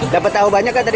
dapat tahu banyak kan tadi